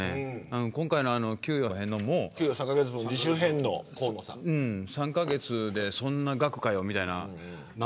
今回の給料返納も３カ月でそんな額かよみたいな。